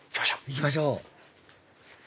行きましょう！